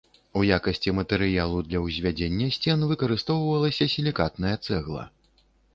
У якасці матэрыялу для ўзвядзення сцен выкарыстоўвалася сілікатная цэгла.